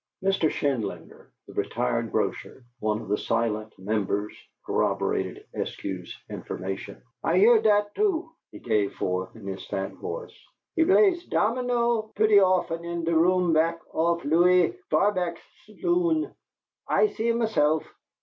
Mr. Schindlinger, the retired grocer, one of the silent members, corroborated Eskew's information. "I heert dot, too," he gave forth, in his fat voice. "He blays dominoes pooty often in der room back off Louie Farbach's tsaloon. I see him myself.